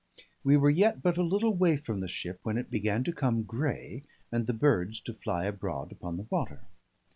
We were yet but a little way from the ship, when it began to come grey, and the birds to fly abroad upon the water.